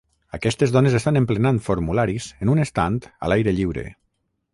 Aquestes dones estan emplenant formularis en un estand a l'aire lliure.